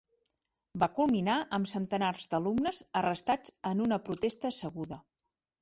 Va culminar amb centenars d'alumnes arrestats en una protesta asseguda.